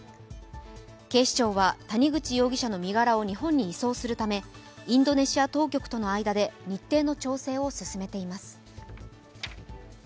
警視庁は谷口容疑者の身柄を日本に移送するためインドネシア当局との間で日程の調整を進めています。